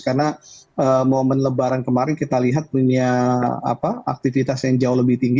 karena momen lebaran kemarin kita lihat punya aktivitas yang jauh lebih tinggi